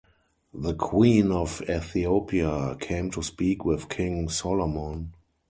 The queen of Ethiopia came to speak with King Solomon.